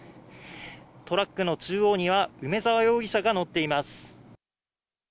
トラックの中央には、梅沢容疑者が乗っています。